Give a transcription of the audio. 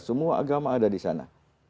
semua agama ada disana